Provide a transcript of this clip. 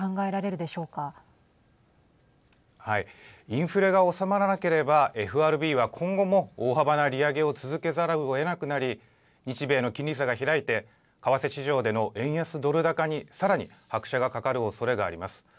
インフレが収まらなければＦＲＢは今後も大幅な利上げを続けざるをえなくなり日米の金利差が開いて為替市場での円安ドル高にさらに拍車がかかるおそれがあります。